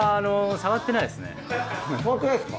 触ってないですか？